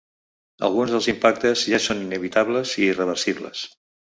Alguns dels impactes ja són inevitables i irreversibles.